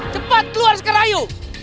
cepat keluar sekarang ayo